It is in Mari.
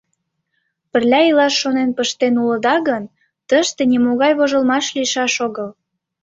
Пырля илаш шонен пыштен улыда гын, тыште нимогай вожылмаш лийшаш огыл.